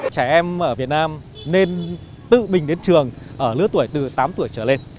trẻ em ở việt nam nên tự bình đến trường ở lứa tuổi từ tám tuổi trở lên